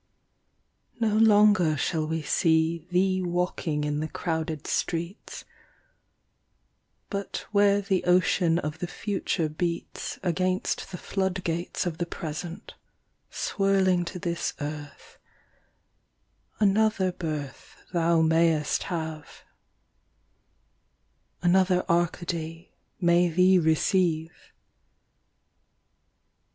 No longer shall we see Thee walking in the crowded streets, But where the ocean of the Future beats Against the flood gates of the Present, swirling to this earth, Another birth Thou mayest have ; Another Arcady May thee receive.